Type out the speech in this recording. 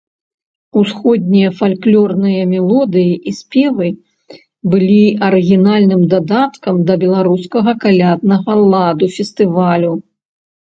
Усходнія фальклорныя мелодыі і спевы былі арыгінальным дадаткам да беларускага каляднага ладу фестывалю.